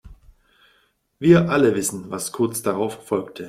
Wir alle wissen, was kurz darauf folgte.